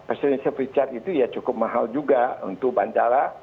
passenger service charge itu ya cukup mahal juga untuk bandara